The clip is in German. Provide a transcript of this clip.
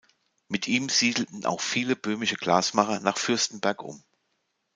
Mit ihm siedelten auch viele böhmische Glasmacher nach Fürstenberg um.